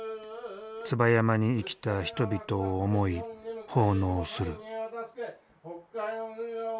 椿山に生きた人々を思い奉納する。